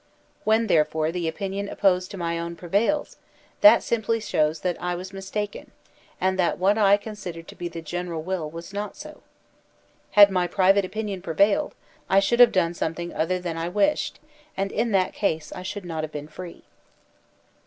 When, therefore, the opinion opposed to my own prevails, that simply shows that I was mis taken, and that what I considered to be the general will was not so. Had my private opinion prevailed, I should have done something other than I wished; and in that case I should not have been free.